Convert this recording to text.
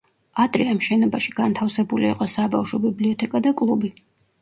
ადრე ამ შენობაში განთავსებული იყო საბავშვო ბიბლიოთეკა და კლუბი.